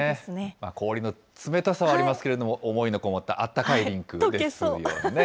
氷の冷たさはありますけれども、思いの込もったあったかいリンクですよね。